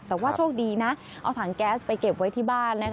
แต่ว่าโชคดีนะเอาถังแก๊สไปเก็บไว้ที่บ้าน